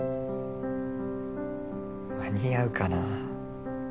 間に合うかなあ。